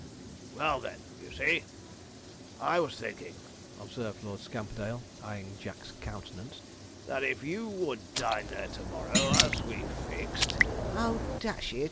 'Well, then, you see, I was thinking,' observed Lord Scamperdale, eyeing Jack's countenance, 'that if you would dine there to morrow, as we fixed ' 'Oh, dash it!